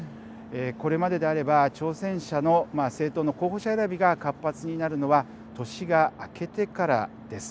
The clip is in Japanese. これまでであれば、挑戦者の政党の候補者選びが活発になるのは年が明けてからです。